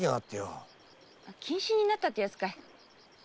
謹慎になったってやつかい？